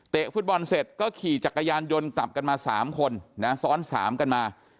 ฟุตบอลเสร็จก็ขี่จักรยานยนต์กลับกันมา๓คนนะซ้อน๓กันมา